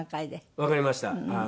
わかりました。